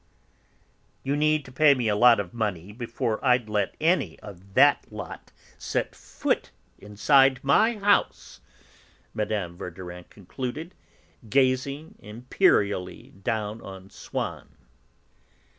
"You'd need to pay me a lot of money before I'd let any of that lot set foot inside my house," Mme. Verdurin concluded, gazing imperially down on Swann.